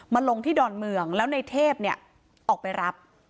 มาลงที่ด่อนเมืองแล้วในเทพฯอ้อกไปรับ